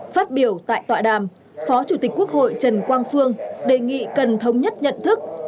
phát biểu tại tọa đàm phó chủ tịch quốc hội trần quang phương đề nghị cần thống nhất nhận thức